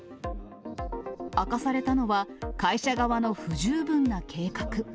明かされたのは、会社側の不十分な計画。